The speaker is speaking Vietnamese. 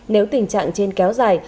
nếu tình trạng trên kéo dài